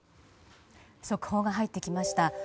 速報が入ってきました。